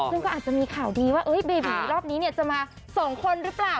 ซึ่งก็อาจจะมีข่าวดีว่าเบบีรอบนี้จะมาสองคนหรือเปล่า